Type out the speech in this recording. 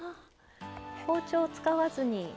包丁を使わずに。